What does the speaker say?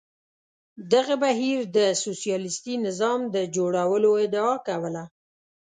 دغه بهیر د سوسیالیستي نظام د جوړولو ادعا کوله.